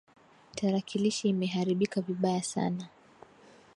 Tarakilishi imeharibika vibaya sana